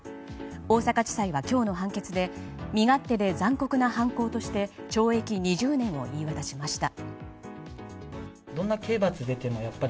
大阪地裁は今日の判決で身勝手で残酷な犯行として懲役２０年を言い渡しました。